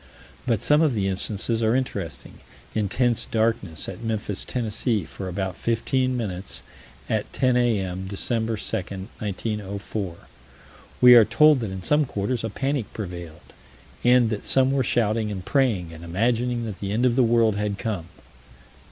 But some of the instances are interesting intense darkness at Memphis, Tenn., for about fifteen minutes, at 10 A.M., Dec. 2, 1904 "We are told that in some quarters a panic prevailed, and that some were shouting and praying and imagining that the end of the world had come."